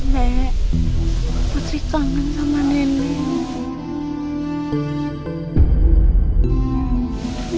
baik putri kangen sama nenek